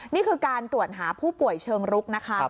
นี่คือการตรวจหาผู้ป่วยเชิงรุกนะคะ